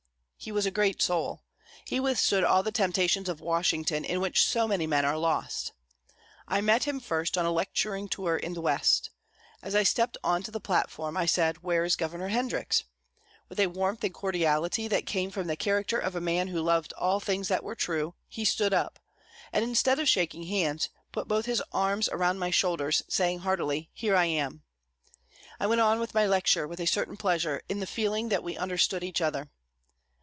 He was a great soul. He withstood all the temptations of Washington in which so many men are lost. I met him first on a lecturing tour in the West. As I stepped on to the platform, I said, "Where is Governor Hendricks?" With a warmth and cordiality that came from the character of a man who loved all things that were true, he stood up, and instead of shaking hands, put both his arms around my shoulders, saying heartily, "Here I am." I went on with my lecture with a certain pleasure in the feeling that we understood each other.